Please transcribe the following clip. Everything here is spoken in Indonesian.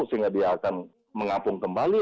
sehingga dia akan mengapung kembali